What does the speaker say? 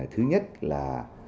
thứ nhất là